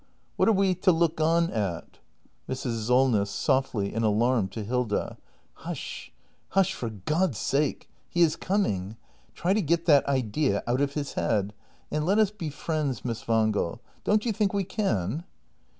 What are we to look on at ? Mrs. Solness. [Softly, in alarm, to Hilda.] Hush, hush — for God's sake! He is coming! Try to get that idea out of his head. And let us be friends, Miss Wangel. Don't you think we can